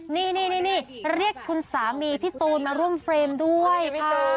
นี่เรียกคุณสามีพี่ตูนมาร่วมเฟรมด้วยค่ะ